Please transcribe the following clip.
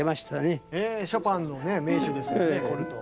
ショパンの名手ですよねコルトー。